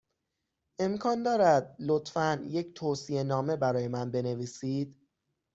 امکان دارد، لطفا، یک توصیه نامه برای من بنویسید؟